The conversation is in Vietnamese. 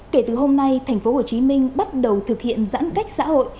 kể từ hôm nay thành phố hồ chí minh bắt đầu thực hiện giãn cách xã hội